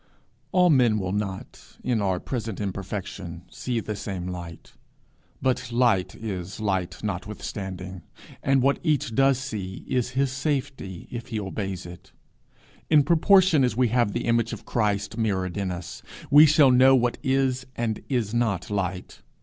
All man will not, in our present imperfection, see the same light; but light is light notwithstanding, and what each does see, is his safety if he obeys it. In proportion as we have the image of Christ mirrored in us, we shall know what is and is not light.